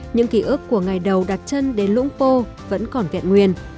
những ký ức của ngày đầu đặt chân đến lũng pô vẫn còn vẹn nguyên